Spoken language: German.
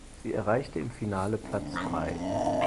Sie erreichte im Finale Platz drei.